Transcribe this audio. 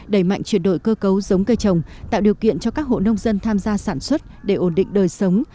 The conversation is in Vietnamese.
đẩy mạnh chuyển đổi cơ cấu giống cây trồng tạo điều kiện cho các hộ nông dân tham gia sản xuất để ổn định đời sống